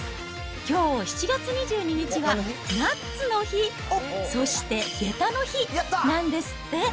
きょう７月２２日はナッツの日、そして下駄の日なんですって。